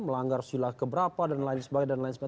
melanggar sila keberapa dan lain sebagainya